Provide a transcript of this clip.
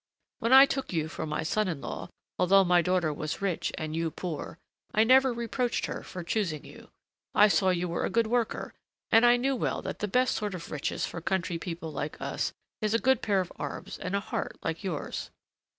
When I took you for my son in law, although my daughter was rich and you poor, I never reproached her for choosing you. I saw you were a good worker, and I knew well that the best sort of riches for country people like us is a good pair of arms and a heart like yours.